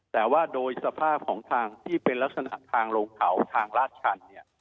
แต่ว่าโดยสภาพของทางที่เป็นลักษณะทางลงเขาทางลาดชันเนี่ย